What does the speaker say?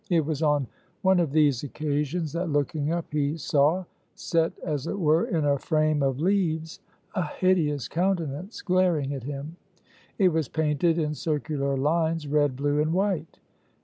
It was on one of these occasions that, looking up, he saw, set as it were in a frame of leaves, a hideous countenance glaring at him; it was painted in circular lines, red, blue and white.